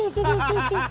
lu percaya diri